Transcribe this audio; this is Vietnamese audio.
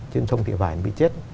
trên sông thị vải bị chết